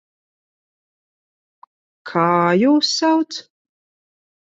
Kā jūs sauc?